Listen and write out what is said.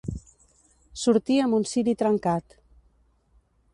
Sortir amb un ciri trencat.